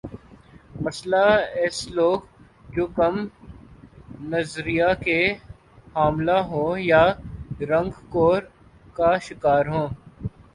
مثلا ایس لوگ جو کم نظریہ کے حاملہ ہوں یا رنگ کور کا شکار ہوں